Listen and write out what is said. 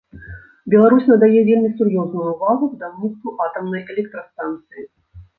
Беларусь надае вельмі сур'ёзную ўвагу будаўніцтву атамнай электрастанцыі.